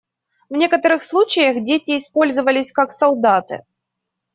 В некоторых случаях дети использовались как солдаты.